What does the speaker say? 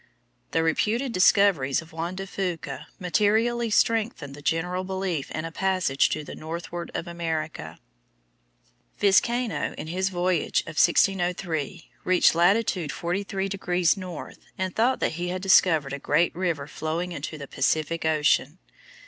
The reputed discoveries of Juan de Fuca materially strengthened the general belief in a passage to the northward of America. Vizcaino, in his voyage of 1603, reached latitude 43° north and thought that he had discovered a great river flowing into the Pacific Ocean.